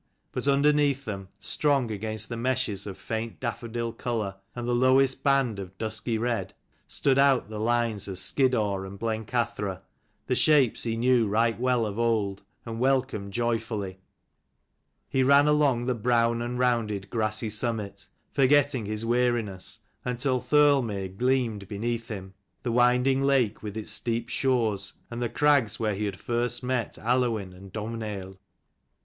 But underneath them, strong against the meshes of faint daffodil colour, and the lowest band of dusky red, stood out the lines of Skiddaw and Blencathra, the shapes he knew right well of old, and welcomed joyfully. He ran along the brown and rounded grassy summit, forgetting his weariness, until Thirlmere gleamed beneath him, the winding lake with its steep shores, and the crags where he had first met Aluinn and Domhnaill.